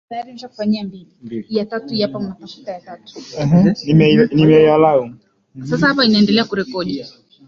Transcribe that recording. Pishi la Kuchemsha viazi lishe